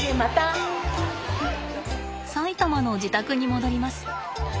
埼玉の自宅に戻ります。